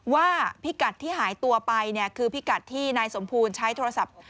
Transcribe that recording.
ว่าพิกัดที่หายตัวไปเนี่ยคือพิกัดที่นายสมบูรณ์ใช้โทรศัพท์